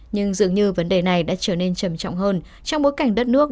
nhưng dường như vấn đề này đã trở nên trầm trọng hơn trong bối cảnh đất nước